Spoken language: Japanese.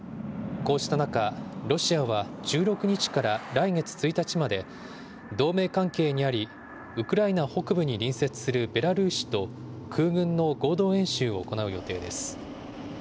こうした中、ロシアは１６日から来月１日まで、同盟関係にあり、ウクライナ北部に隣接するベラルーシと空軍の合同演習を行う予定です。